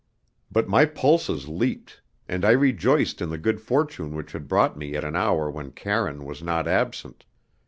But my pulses leaped, and I rejoiced in the good fortune which had brought me at an hour when Karine was not absent.